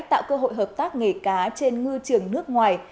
tạo cơ hội hợp tác nghề cá trên ngư trường nước ngoài